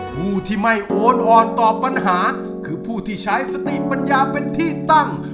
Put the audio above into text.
ผู้ที่ไม่โอนอ่อนต่อปัญหาคือผู้ที่ใช้สติปัญญาเป็นที่ตั้ง